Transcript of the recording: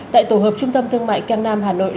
tại tổ hợp trung tâm thương mại cang nam hà nội